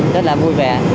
rất là vui vẻ